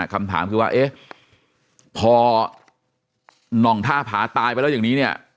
คำถามคือว่าเอ๊ะพอน่องท่าผาตายไปแล้วอย่างนี้เนี่ย